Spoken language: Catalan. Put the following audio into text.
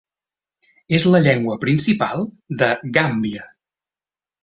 És la llengua principal de Gàmbia.